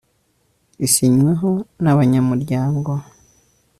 isinyweho na by abanyamuryango